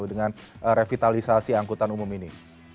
dengan revitalisasi angkutan umum ini